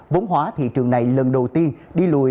vốn hóa thị trường này lần đầu tiên đi lùi